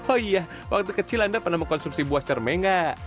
oh iya waktu kecil anda pernah mengkonsumsi buah cermai nggak